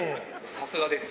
さすがです。